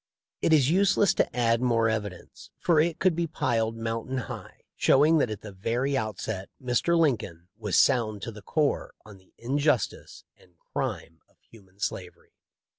It is useless to add more evidence — for it could be piled mountain high — showing that at the very outset Mr. Lincoln was sound to the core on the injustice and crime of human slavery.